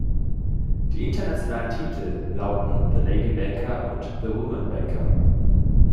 Die internationalen Titel lauten "The Lady Banker" und "The Woman Banker".